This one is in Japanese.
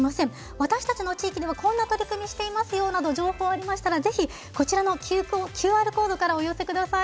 私たちの地域ではこんな取り組みしていますよなど情報ありましたらぜひ、こちらのＱＲコードからお寄せください。